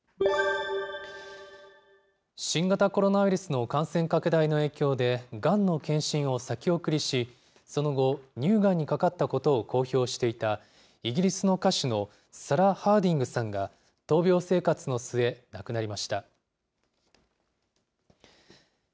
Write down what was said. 新型コロナウイルスの感染拡大の影響でがんの検診を先送りし、その後、乳がんにかかったことを公表していたイギリスの歌手のサラ・ハーディングさんが闘病生活の末、亡くなりました。